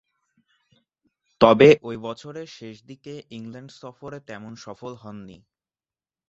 তবে, ঐ বছরের শেষদিকে ইংল্যান্ড সফরে তেমন সফল হননি।